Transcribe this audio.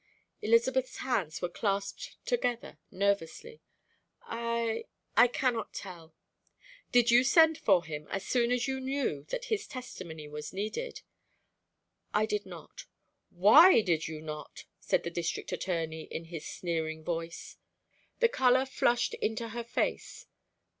Elizabeth's hands were clasped together nervously. "I I cannot tell." "Did you send for him, as soon as you knew that his testimony was needed?" "I did not." "Why did you not?" said the District Attorney, in his sneering voice. The color flushed into her face.